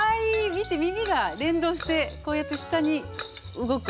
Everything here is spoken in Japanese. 見て耳が連動してこうやって下に動く。